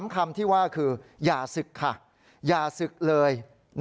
คำที่ว่าคืออย่าศึกค่ะอย่าศึกเลย